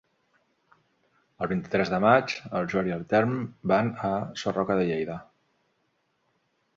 El vint-i-tres de maig en Joel i en Telm van a Sarroca de Lleida.